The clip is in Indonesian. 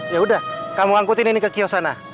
ya udah kamu angkutin ini ke kiosk sana